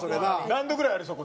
何度ぐらいありそう？